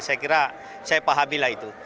saya kira saya pahamilah itu